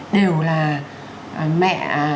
đều là mẹ